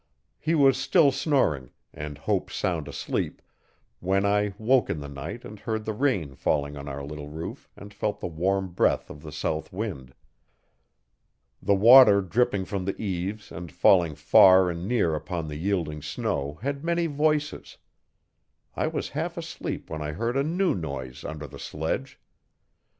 He was still snoring, and Hope sound asleep, when I woke in the night and heard the rain falling on our little roof and felt the warm breath of the south wind. The water dripping from the eaves and falling far and near upon the yielding snow had many voices. I was half asleep when I heard a new noise under the sledge.